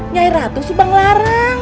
nyai ratu subang larang